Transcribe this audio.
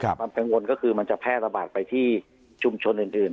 ความกังวลก็คือมันจะแพร่ระบาดไปที่ชุมชนอื่น